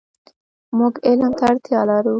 مونږ علم ته اړتیا لرو .